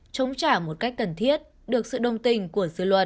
chống trả một cách cần thiết được sự đồng tình của dư luận